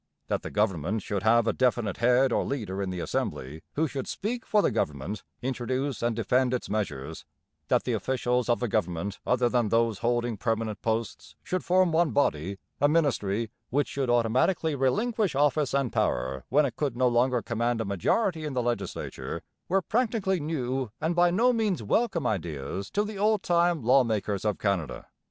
That the government should have a definite head or leader in the Assembly, who should speak for the government, introduce and defend its measures; that the officials of the government other than those holding permanent posts should form one body a ministry which should automatically relinquish office and power when it could no longer command a majority in the legislature, were practically new and by no means welcome ideas to the old time law makers of Canada.